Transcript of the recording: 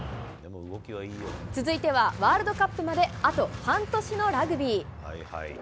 続いてはワールドカップまであと半年のラグビー。